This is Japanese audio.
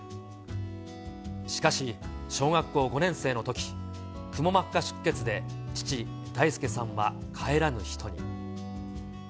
しかし、小学校５年生のとき、くも膜下出血で父、大輔さんは帰らぬ人に。